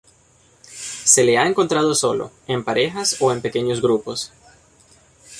Se le ha encontrado solo, en parejas o en pequeños grupos.